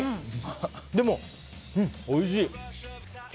でも、おいしい！